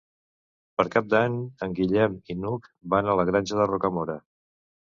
Per Cap d'Any en Guillem i n'Hug van a la Granja de Rocamora.